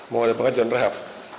mau ada pengajuan rehab